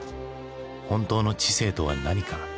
本当の知性とは何か？